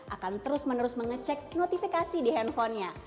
akan terus menerus mengecek notifikasi di handphonenya